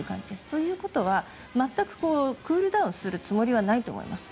ということは全く、クールダウンするつもりはないと思います。